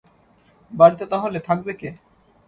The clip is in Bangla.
বাড়িতে তা হলে থাকবে কে?